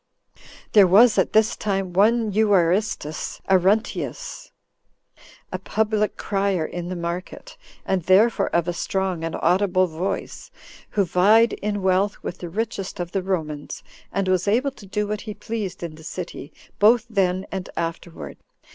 18. There was at this time one Euaristus Arruntius, a public crier in the market, and therefore of a strong and audible voice, who vied in wealth with the richest of the Romans, and was able to do what he pleased in the city, both then and afterward.